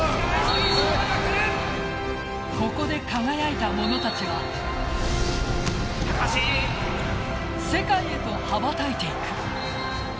ここで輝いた者たちは世界へと羽ばたいていく。